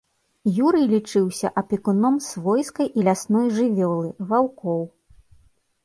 Юрый лічыўся апекуном свойскай і лясной жывёлы, ваўкоў.